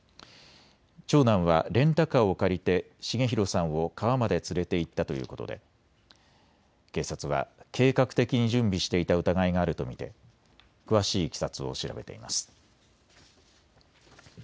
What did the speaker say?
長男はレンタカーを借りて重弘さんを川まで連れて行ったということで警察は計画的に準備していた疑いがあると見て詳しいいきさつを調べています。